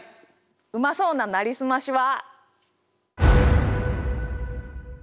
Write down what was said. うまそうな「なりすまし」は。